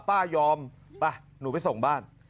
ป้ายอมไปหนูไปส่งบ้าน